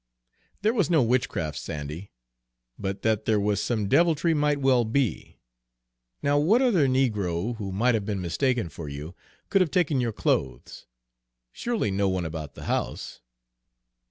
"There was no witchcraft, Sandy, but that there was some deviltry might well be. Now, what other negro, who might have been mistaken for you, could have taken your clothes? Surely no one about the house?"